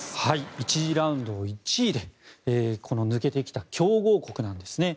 １次ラウンドを１位で抜けてきた強豪国なんですね。